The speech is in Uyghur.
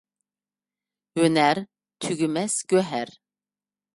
ھۆنەر – تۈگىمەس گۆھەر.